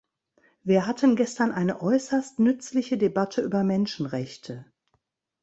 Wir hatten gestern eine äußerst nützliche Debatte über Menschenrechte.